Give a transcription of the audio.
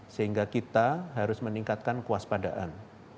sehingga kita harus meningkatkan kuas padaan